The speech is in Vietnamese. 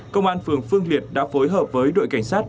công an phường phương liệt đã phối hợp với đội cảnh sát